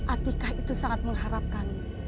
atika itu sangat mengharapkan